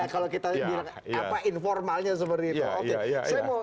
kalau kita bilang informalnya seperti itu